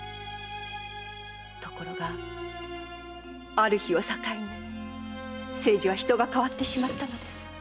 ところがある日を境に清次は人が変わってしまったのです。